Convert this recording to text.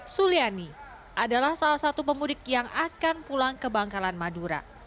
suliani adalah salah satu pemudik yang akan pulang ke bangkalan madura